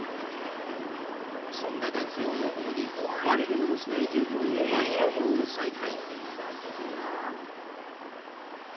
そんな男性を横目に、悪びれもしない従業員は、作業を再開。